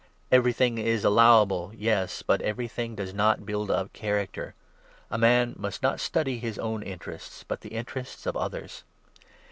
Everything is allowable ! Yes, but everything does not build up character. A man must not study his own interests, 24 but the interests of others.